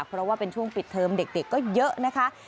เพราะว่าเป็นช่วงปิดเทอมเด็กก็เยอะนะคะ